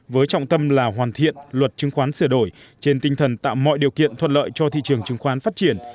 với trọng tâm là hoàn thiện luật chứng khoán sửa đổi trên tinh thần tạo mọi điều kiện thuận lợi cho thị trường chứng khoán phát triển